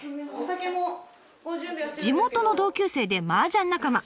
地元の同級生でマージャン仲間。